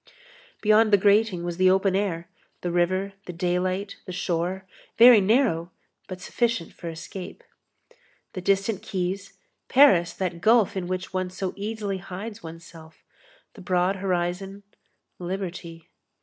Beyond the grating was the open air, the river, the daylight, the shore, very narrow but sufficient for escape. The distant quays, Paris, that gulf in which one so easily hides oneself, the broad horizon, liberty.